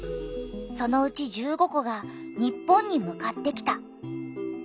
そのうち１５個が日本に向かってきた。